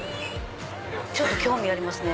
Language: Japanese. ちょっと興味ありますね